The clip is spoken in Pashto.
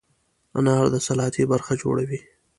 انار د سلاتې برخه جوړوي.